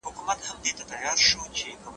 وخت پر وخت وقفه واخلئ.